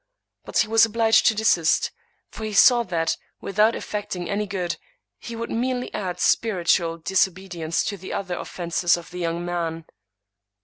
But he was obliged to desist; for he saw that, without effecting any good, he would merely add spiritual disobedience to the other offenses of the young man.